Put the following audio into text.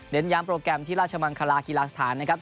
ย้ำโปรแกรมที่ราชมังคลากีฬาสถานนะครับ